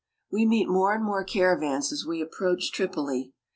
We meet more and more caravans as we approach Tripoli.